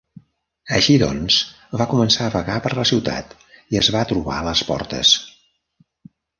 Així doncs, va començar a vagar per la ciutat i es va trobar a les portes.